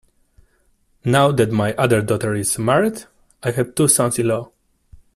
Now that my other daughter is married I have two sons-in-law.